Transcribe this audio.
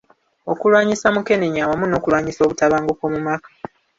Okulwanyisa Mukenenya wamu n’okulwanyisa obutabanguko mu maka.